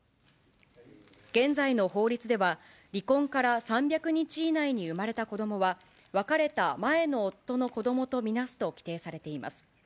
現在の法律では、離婚から３００日以内に生まれた子どもは、別れた前の夫の子どもと見なすと規定されています。